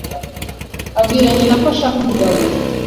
abwira nyina ko ashaka umugabo